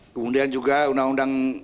kemudian juga undang undang